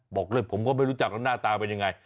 บอกเลยผมก็ไม่รู้จักแล้วหน้าตาเป็นยังไง